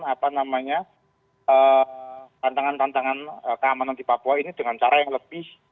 apa namanya tantangan tantangan keamanan di papua ini dengan cara yang lebih